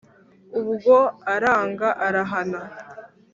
Ubwo aranga arahana